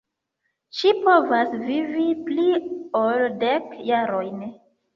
Ĝi povas vivi pli ol dek jarojn.